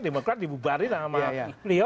di demokrat dibubarin sama plio